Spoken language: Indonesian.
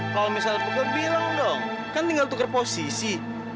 kalau misal peker bilang dong kan tinggal tuker posisi